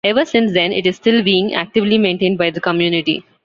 Ever since then it is still being actively maintained by the community.